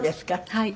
はい。